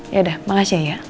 yaudah makasih ya